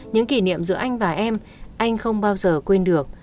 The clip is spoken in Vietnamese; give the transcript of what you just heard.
những kỷ niệm giữa anh và em anh không bao giờ quên được